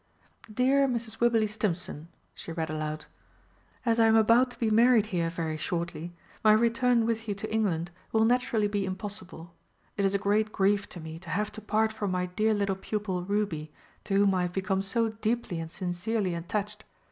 "Dear Mrs. Wibberley Stimpson," she read aloud "_As I am about to be married here very shortly, my return with you to England will naturally be impossible. It is a great grief to me to have to part from my dear little pupil Ruby, to whom I have become so deeply and sincerely attached.